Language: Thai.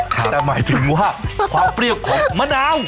แต่หมายถึงว่าความเปรี้ยวของมะนาว